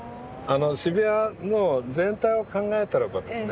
渋谷の全体を考えたらばですね